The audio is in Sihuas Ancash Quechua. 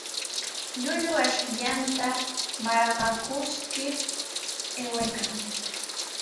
Llullu ashkallanta marqakuskir aywaykan.